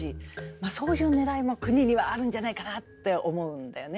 まあそういうねらいも国にはあるんじゃないかなって思うんだよね。